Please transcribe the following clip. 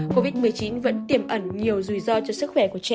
covid một mươi chín vẫn tiềm ẩn nhiều rủi ro cho sức khỏe của trẻ